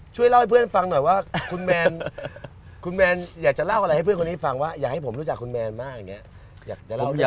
ช่วยเล่าให้เพื่อนฟังหน่อยว่าคุณแมนคุณแมนอยากจะเล่าอะไรให้เพื่อนคนนี้ฟังว่าอยากให้ผมรู้จักคุณแมนมากอย่างนี้